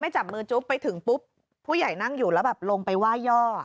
จับมือจุ๊บไปถึงปุ๊บผู้ใหญ่นั่งอยู่แล้วแบบลงไปไหว้ย่อ